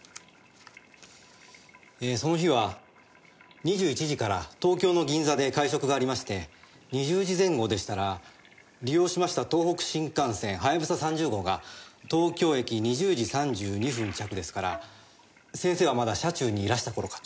えその日は２１時から東京の銀座で会食がありまして２０時前後でしたら利用しました東北新幹線はやぶさ３０号が東京駅２０時３２分着ですから先生はまだ車中にいらした頃かと。